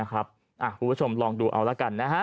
คุณผู้ชมลองดูเอาละกันนะฮะ